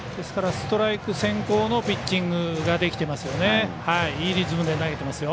ストライク先行のピッチングできていますよね。